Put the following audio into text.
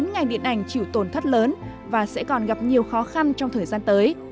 các ngành điện ảnh chịu tồn thất lớn và sẽ còn gặp nhiều khó khăn trong thời gian tới